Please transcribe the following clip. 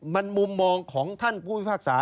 มันมุมมองของท่านผู้พิพากษา